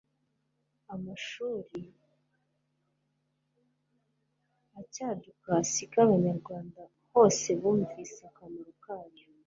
amashuri acyaduka si ko abanyarwanda hose bumvise akamaro kayo